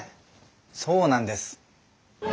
そうなんです。